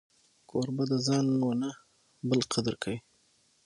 کوربه د ځان و نه بل قدر کوي.